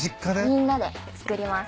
みんなで作ります。